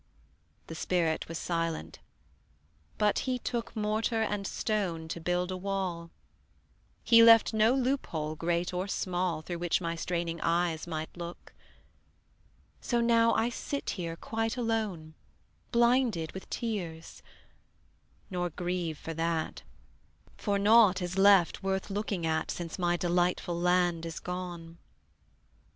The spirit was silent; but he took Mortar and stone to build a wall; He left no loophole great or small Through which my straining eyes might look: So now I sit here quite alone Blinded with tears; nor grieve for that, For naught is left worth looking at Since my delightful land is gone.